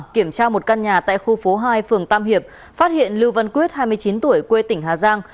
kiểm tra một căn nhà tại khu phố hai phường tam hiệp phát hiện lưu văn quyết hai mươi chín tuổi quê tỉnh hà giang